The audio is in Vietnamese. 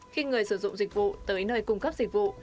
khi người sử dụng dịch vụ tới nơi cung cấp dịch vụ